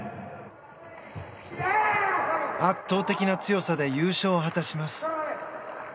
圧倒的な強さで優勝を果たします。